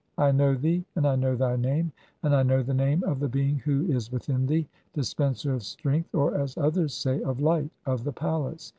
I know thee, and I "know thy name, and I know (66) the name of the being who "is within thee. 'Dispenser of strength, or as others say, of light, "of the palace